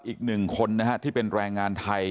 อีกหนึ่งคนนะฮะที่เป็นแรงงานไทย